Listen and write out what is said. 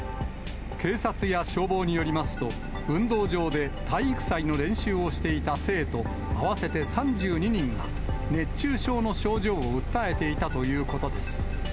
警察や消防によりますと、運動場で体育祭の練習をしていた生徒、合わせて３２人が熱中症の症状を訴えていたということです。